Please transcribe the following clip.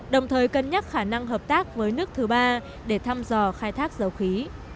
đồng thời cân nhắc khả năng hợp tác với nước thứ ba để thăm dò khai thác dầu khí